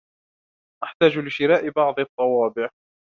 أحتاج لشراء بعض الطوابع.